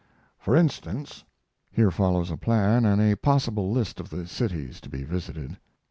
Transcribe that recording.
For instance, [here follows a plan and a possible list of the cities to be visited].